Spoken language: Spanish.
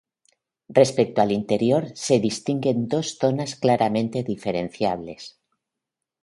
Respecto al interior se distinguen dos zonas claramente diferenciables.